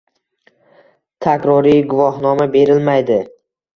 Takroriy guvohnoma berilmaydi